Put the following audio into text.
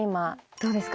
どうですか？